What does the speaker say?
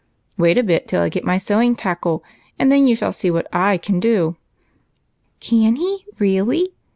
" Wait a bit till I get my sewing tackle, and then you shall see what I can do." " Can he, really